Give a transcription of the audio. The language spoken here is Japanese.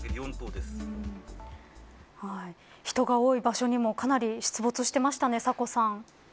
人が多い場所にも、かなり出没していましたね、サコさん。